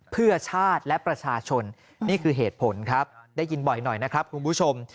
เพื่อชาติและประชาชนนี่คือเหตุผลครับได้ยินบ่อยหน่อยนะครับคุณผู้ชม